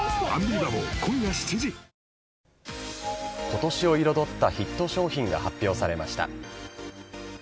今年を彩ったヒット商品が発表されました。